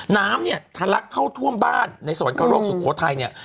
น้ำเนี่ยทะลักเข้าท่วมบ้านในสวรรคโลกสุโขทัยเนี่ย